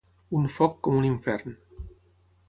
Un foc com un infern.